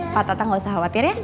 pak toto gak usah khawatir ya